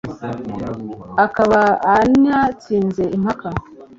akaba antsinze impaka